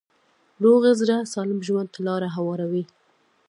روغ زړه سالم ژوند ته لاره هواروي.